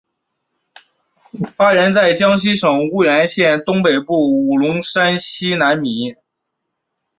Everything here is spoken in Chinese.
发源在江西省婺源县东北部的五龙山西南麓。